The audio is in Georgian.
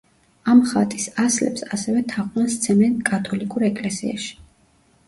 ამ ხატის ასლებს ასევე თაყვანს სცემენ კათოლიკურ ეკლესიაში.